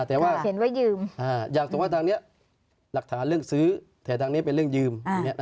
แต่ว่าอยากตรงว่าตังนี้หลักฐานเรื่องซื้อแต่ตังนี้เป็นเรื่องยืม